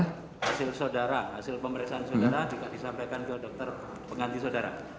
hasil saudara hasil pemeriksaan saudara juga disampaikan ke dokter pengganti saudara